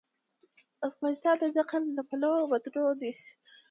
افغانستان د زغال له پلوه متنوع دی.